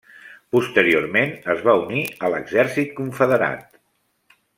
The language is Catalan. Posteriorment, es va unir a l'exèrcit confederat.